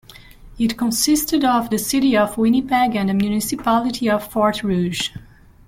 It consisted of the city of Winnipeg and the municipality of Fort Rouge.